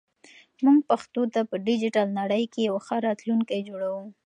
موږ پښتو ته په ډیجیټل نړۍ کې یو ښه راتلونکی جوړوو.